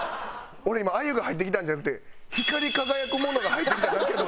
俺今あゆが入ってきたんじゃなくて光り輝くものが入ってきただけやと。